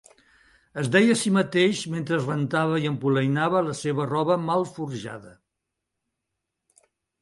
Es deia a si mateix mentre es rentava i empolainava la seva roba malforjada.